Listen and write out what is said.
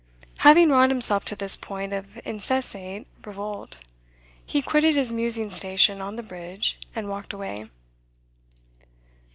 Having wrought himself to this point of insensate revolt, he quitted his musing station on the bridge, and walked away.